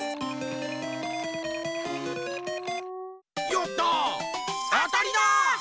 やった！あたりだ！